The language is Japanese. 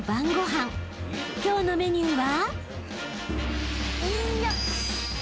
［今日のメニューは］